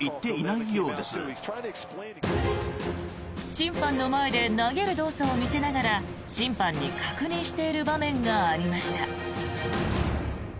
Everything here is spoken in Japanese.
審判の前で投げる動作を見せながら審判に確認している場面がありました。